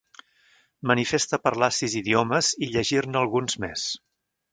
Manifesta parlar sis idiomes i llegir-ne alguns més.